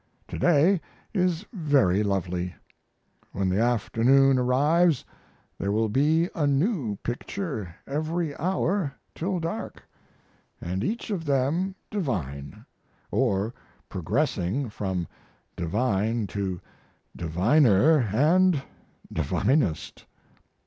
To day is very lovely; when the afternoon arrives there will be a new picture every hour till dark, & each of them divine or progressing from divine to diviner & divinest.